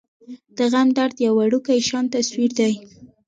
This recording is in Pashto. د غم درد يو وړوکے شان تصوير دے ۔